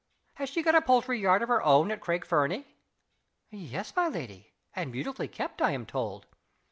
Has she got a poultry yard of her own at Craig Fernie?" "Yes, my lady. And beautifully kept, I am told."